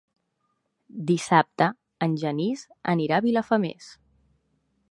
Dissabte en Genís anirà a Vilafamés.